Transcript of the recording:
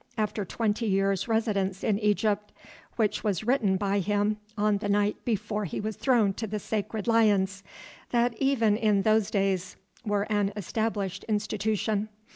after twenty years' residence in Egypt, which was written by him on the night before he was thrown to the sacred lions, that even in those days were an established institution.